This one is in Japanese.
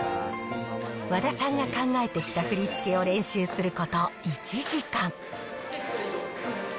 和田さんが考えてきた振り付けを練習すること１時間。